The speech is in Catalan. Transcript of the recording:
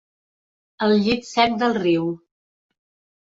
El llit sec del riu.